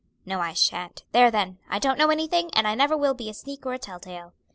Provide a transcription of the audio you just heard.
No, I shan't, there then; I don't know anything, and I never will be a sneak or a tell tale."